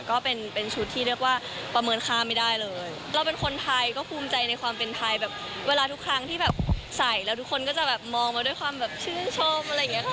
ก็เป็นเป็นชุดที่เรียกว่าประเมินค่าไม่ได้เลยเราเป็นคนไทยก็ภูมิใจในความเป็นไทยแบบเวลาทุกครั้งที่แบบใส่แล้วทุกคนก็จะแบบมองมาด้วยความแบบชื่นชมอะไรอย่างเงี้ค่ะ